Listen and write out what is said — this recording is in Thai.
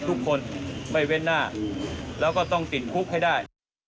ทุกคนไม่เว้นหน้าแล้วก็ต้องติดคุกให้ได้